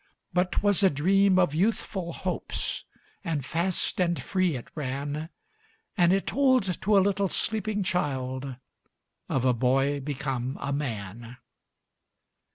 But 't was a dream of youthful hopes, And fast and free it ran, And it told to a little sleeping child Of a boy become a man!